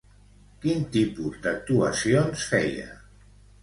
Quin tipus d'actuacions feia?